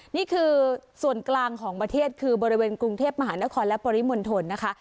นี่คือส่วนกลางของประเทศคือบริเวณกรุงเทพมหานครและปริมณฑลนะคะ